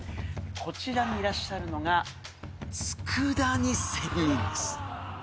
こちらにいらっしゃるのが、つくだ煮仙人です。